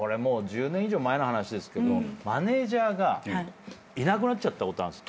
１０年以上前の話ですけどマネジャーがいなくなっちゃったことあるんです。